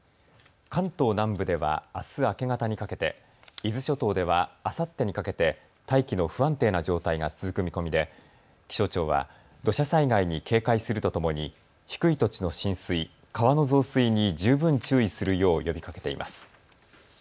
関東南部ではあす明け方にかけて、伊豆諸島ではあさってにかけて大気の不安定な状態が続く見込みで気象庁は土砂災害に警戒するとともに低い土地の浸水、川の増水に十分注意するよう呼びかけています。